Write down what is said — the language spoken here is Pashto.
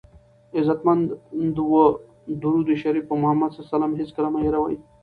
عزتمندو درود شریف په محمد ص هېڅکله مه هیروئ!